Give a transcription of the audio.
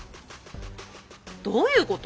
どういうこと？